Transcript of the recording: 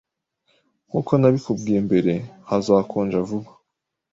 Nkuko nabikubwiye mbere, hazakonja vuba